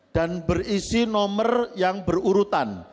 dan berisi nomor yang berurutan